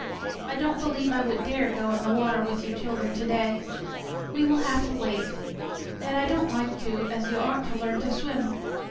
I don't believe I would dare go in the water with you children to day. We will have to wait. Yet I don't like to, as you ought to learn to swim.